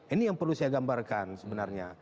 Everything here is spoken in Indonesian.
ini yang perlu saya gambarkan sebenarnya